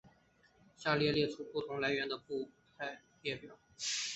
下面列出来自不同来源的部派列表。